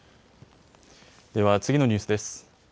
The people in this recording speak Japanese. では次のニュースです。